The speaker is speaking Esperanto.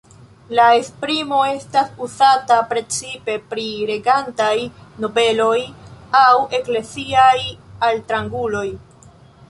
La esprimo estas uzata precipe pri regantaj nobeloj aŭ ekleziaj altranguloj.